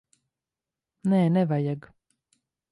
Nē, nevajag.